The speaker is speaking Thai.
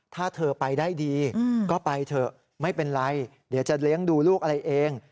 ถ้าเธอไปได้ดีก็ไปเถอะไม่เป็นไรเดี๋ยวจะเลี้ยงดูลูกอะไรเอง